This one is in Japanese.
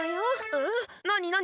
えっなになに？